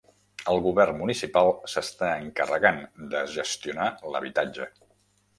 El govern municipal s'està encarregant de gestionar l'habitatge.